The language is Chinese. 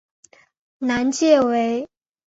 南界为。